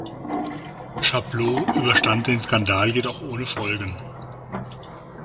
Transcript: Chapleau überstand den Skandal jedoch ohne Folgen.